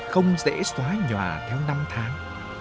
không dễ xóa nhòa theo năm tháng